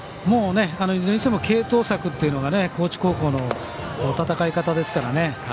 もういずれにしても継投策というのが高知高校の戦い方ですからね。